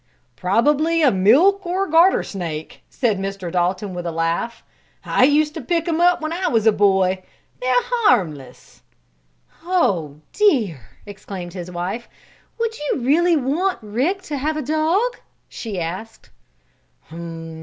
"Probably a milk, or garter, snake," said Mr. Dalton with a laugh. "I used to pick 'em up when I was a boy. They're harmless." "Oh, dear!" exclaimed his wife. "Would you really want Rick to have a dog?" she asked.